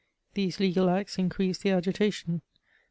These legal acts increased the agitation.